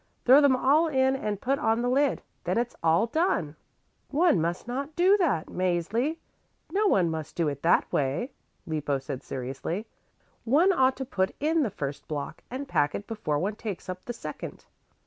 "Throw them all in and put on the lid. Then it's all done." "One must not do that, Mäzli; no one must do it that way," Lippo said seriously. "One ought to put in the first block and pack it before one takes up the second."